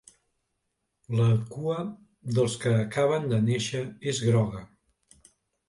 La cua dels que acaben de néixer és groga.